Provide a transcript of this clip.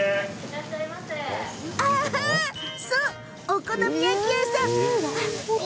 そう、お好み焼き屋さんよ。